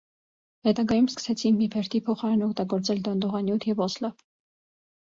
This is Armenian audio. Հետագայում սկսեցին փիփերթի փոխարեն օգտագործել դոնդողանյութ (ժելատին) և օսլա։